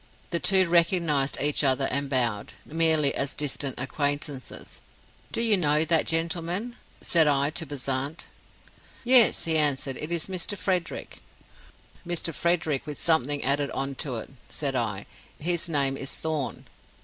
The two recognized each other and bowed, merely as distant acquaintances. 'Do you know that gentleman?' said I to Bezant. 'Yes,' he answered, 'it is Mr. Frederick.' 'Mr. Frederick with something added on to it,' said I; 'his name is Thorn.